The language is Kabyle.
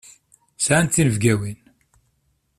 Sɛant tinebgawin.